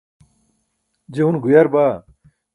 je une guyar baa